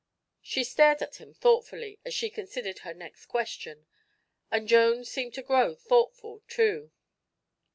She stared at him thoughtfully as she considered her next question, and Jones seemed to grow thoughtful, too.